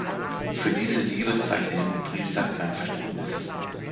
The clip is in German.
Für diese Liebe zeigt der junge Priester kein Verständnis.